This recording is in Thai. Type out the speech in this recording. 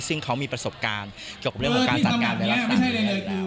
ซึ่งเขามีประสบการณ์เกี่ยวกับเรื่องของการจัดงานในลักษณะนี้อยู่แล้ว